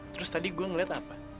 terus tadi gue ngeliat apa